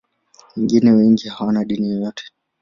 Wengine wengi hawana dini yoyote.